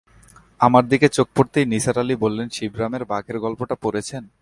আমার দিকে চোখ পড়তেই নিসার আলি বললেন, শিবরামের বাঘের গল্পটা পড়েছেন?